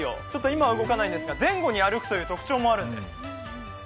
今は動かないんですが、前後に歩くという特徴もあるんです。